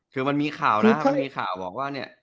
คือมันมีข่าวนะมันมีข่าวบอกว่าเนี่ย